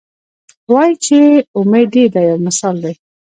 وایي چې اومې دي دا یو مثال دی.